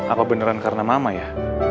apa beneran karena mama ya